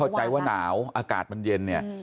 ใจว่าหนาวอากาศมันเย็นเนี่ย